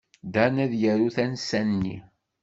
Dan ad yaru tansa-nni.